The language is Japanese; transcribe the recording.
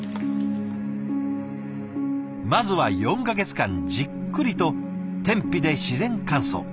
まずは４か月間じっくりと天日で自然乾燥。